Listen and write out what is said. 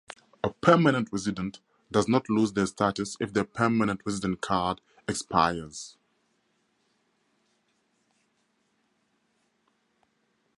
A permanent resident does not lose their status if their permanent resident card expires.